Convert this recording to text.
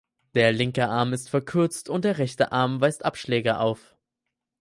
Der linke Arm ist verkürzt und der rechte Arm weist Abschläge auf.